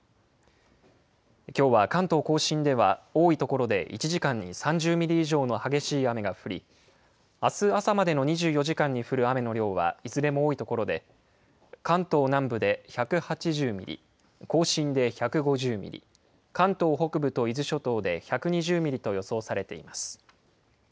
きょうは関東甲信では多い所で１時間に３０ミリ以上の激しい雨が降り、あす朝までの２４時間に降る雨の量はいずれも多い所で、関東南部で１８０ミリ、甲信で１５０ミリ、関東北部と伊豆諸島で１２０ミリと予想されています。